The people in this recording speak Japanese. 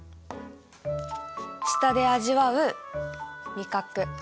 舌で味わう味覚。